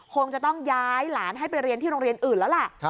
คงจะต้องย้ายหลานให้ไปเรียนที่โรงเรียนอื่นแล้วแหละ